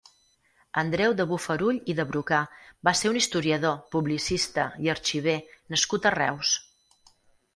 Andreu de Bofarull i de Brocà va ser un historiador, publicista i arxiver nascut a Reus.